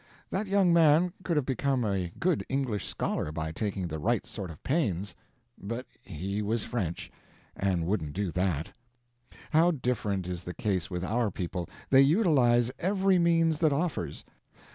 That young man could have become a good English scholar by taking the right sort of pains, but he was French, and wouldn't do that. How different is the case with our people; they utilize every means that offers.